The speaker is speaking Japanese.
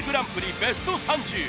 ベスト３０。